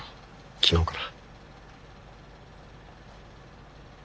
昨日から。